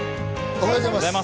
おはようございます。